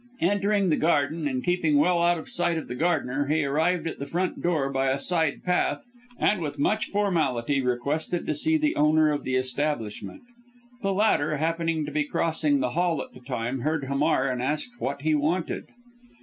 Entering the garden, and keeping well out of sight of the gardener, he arrived at the front door by a side path, and with much formality requested to see the owner of the establishment. The latter happening to be crossing the hall at the time, heard Hamar and asked what he wanted.